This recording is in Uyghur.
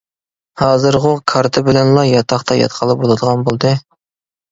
ھازىرغۇ كارتا بىلەنلا ياتاقتا ياتقىلى بولىدىغان بولدى.